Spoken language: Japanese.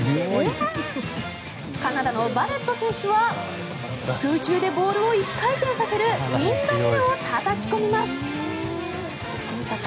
カナダのバレット選手は空中でボールを１回転させるウインドミルをたたき込みます。